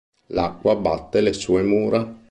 L’acqua batte le sue mura.